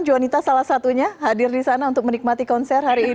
jonita salah satunya hadir di sana untuk menikmati konser hari ini